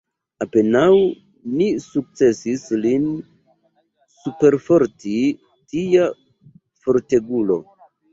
Apenaŭ ni sukcesis lin superforti, tia fortegulo!